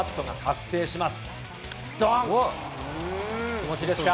気持ちいいですか？